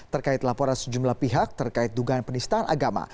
terkait laporan sejumlah pihak terkait dugaan penistaan agama